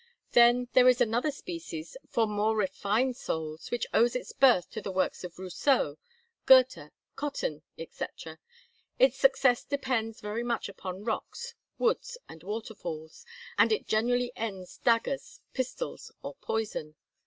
Then there is another species for more refined souls, which owes its birth to the works of Rousseau, Goethe, Cottin, etc. Its success depends very much upon rocks, woods, and waterfalls; and it generally ends daggers, pistols, or poison.